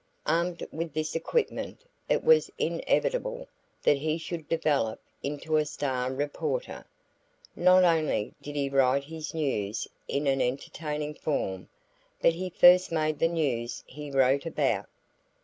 Armed with this equipment, it was inevitable that he should develop into a star reporter. Not only did he write his news in an entertaining form, but he first made the news he wrote about.